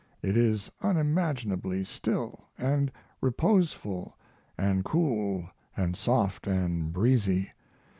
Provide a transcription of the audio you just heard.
It is unimaginably still & reposeful & cool & soft & breezy.